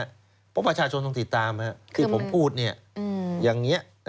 เพราะว่าประชาชนต้องติดตามครับที่ผมพูดเนี่ยอย่างเงี้ย